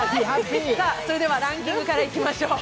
それでは、ランキングからいきましょう。